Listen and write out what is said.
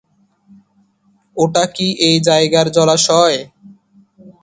ওটা কি ওই জায়গার জলাশয়?